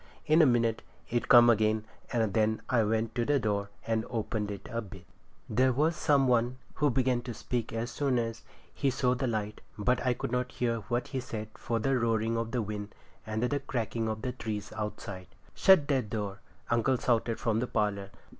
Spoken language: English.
In a minute it come again, and then I went to the door and opened it a bit. There was some one outside who began to speak as soon as he saw the light, but I could not hear what he said for the roaring of the wind, and the cracking of the trees outside. 'Shut that door!' uncle shouted from the parlour.